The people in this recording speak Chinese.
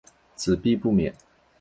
子必不免。